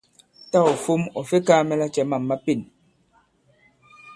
Tâ ɔ̀ fom ɔ̀ fe kaā mɛ lacɛ mâm ma pên.